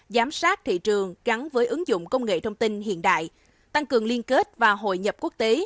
giám sát thị trường gắn với ứng dụng công nghệ thông tin hiện đại tăng cường liên kết và hội nhập quốc tế